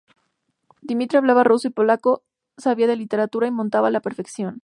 Dimitri hablaba ruso y polaco, sabía de literatura y montaba a la perfección.